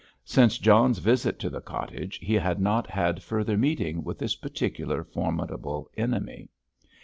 Since John's visit to the cottage he had not had further meeting with this particular formidable enemy.